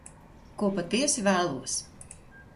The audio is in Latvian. Ko patiesi vēlos.